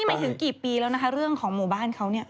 หมายถึงกี่ปีแล้วนะคะเรื่องของหมู่บ้านเขาเนี่ย